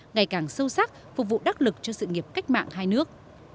ngày càng sâu sắc phục vụ đắc lực cho sự nghiệp cách mạng hai nước